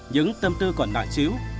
những tâm tư còn nảy chiếu